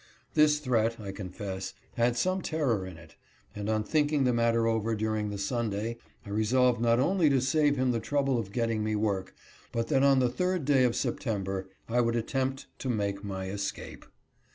This threat, I confess, had some terror in it, and on thinking the matter over during the Sunday, I resolved not only to save him the trouble of getting me work, but that on the third day of September I would attempt to make my escape.